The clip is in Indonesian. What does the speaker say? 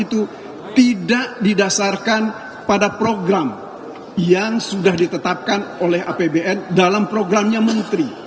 itu tidak didasarkan pada program yang sudah ditetapkan oleh apbn dalam programnya menteri